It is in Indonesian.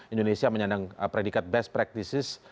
indonesia menyandang predikat best practices